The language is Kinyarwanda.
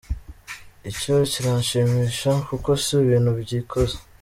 Icyo kiranshimisha kuko si ibintu byikoze”.